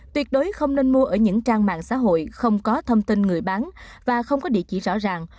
tuyệt đối không nên mua ở những trang mạng xã hội không có thông tin người bán và không có địa chỉ rõ ràng